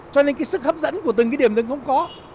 cho nên cái sức hấp dẫn của từng cái điểm rừng không có